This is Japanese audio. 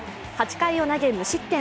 ８回を投げ、無失点。